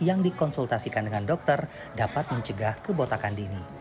yang dikonsultasikan dengan dokter dapat mencegah kebotakan dini